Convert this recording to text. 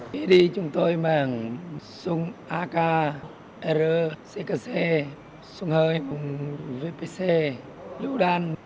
khi đi chúng tôi mang súng ak rr ckc súng hơi vpc lưu đan